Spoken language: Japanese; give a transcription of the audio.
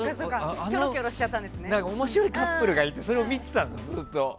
面白いカップルがいてそれを見てたの、ずっと。